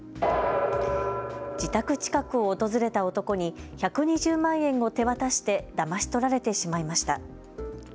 自宅近くを訪れた男に１２０万円を手渡してだまし取られてしまいました。